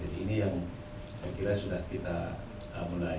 jadi ini yang saya kira sudah kita mulai